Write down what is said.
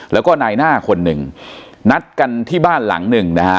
แล้วก็นายหน้าคนหนึ่งนัดกันที่บ้านหลังหนึ่งนะฮะ